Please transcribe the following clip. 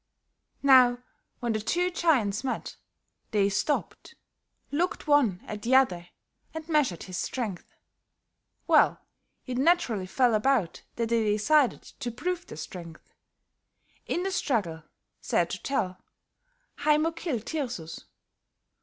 "Now, when the two giants met, they stopped, looked one at the other and measured his strength. Well, it naturally fell about that they decided to prove their strength; in the struggle, sad to tell, Haymo killed Tirsus.